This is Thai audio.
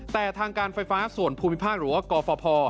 แต่ทางการไฟฟ้าส่วนภูมิภาคหรือว่ากฟภ